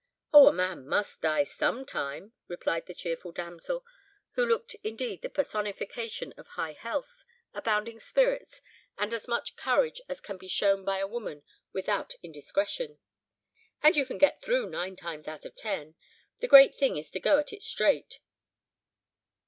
"Oh! a man must die some time," replied the cheerful damsel, who looked indeed the personification of high health, abounding spirits, and as much courage as can be shown by a woman without indiscretion, "and you get through nine times out of ten: the great thing is to go at it straight.